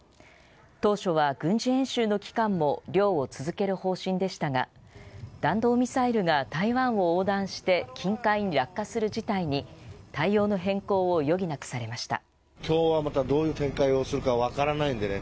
当初は、軍事演習の期間も漁を続ける方針でしたが弾道ミサイルが台湾を横断して近海に落下する事態に対応の変更を余儀なくされました。